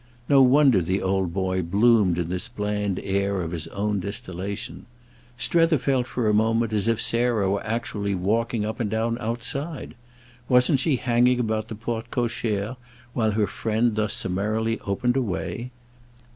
No wonder the old boy bloomed in this bland air of his own distillation. Strether felt for a moment as if Sarah were actually walking up and down outside. Wasn't she hanging about the porte cochère while her friend thus summarily opened a way?